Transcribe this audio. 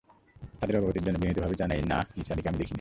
তাদের অবগতির জন্যে বিনীত ভাবে জানাই- না, নিসার আলিকে আমি দেখি নি।